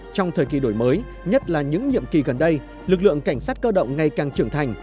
trong thời kỳ đổi mới nhất là những nhiệm kỳ gần đây lực lượng cảnh sát cơ động ngày càng trưởng thành